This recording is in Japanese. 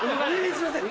すいません！